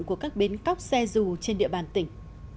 của các bến cóc xe dù trên địa bàn tỉnh